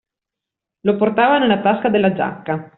Lo portava nella tasca della giacca.